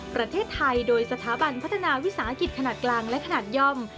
ประเทศไทยโดยสถาบันพัฒนาวิสาหกิจขนาดกลางและขนาดย่อม